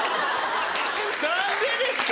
何でですか。